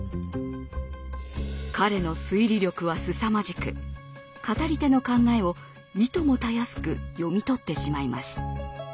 彼の推理力はすさまじく語り手の考えをいともたやすく読み取ってしまいます。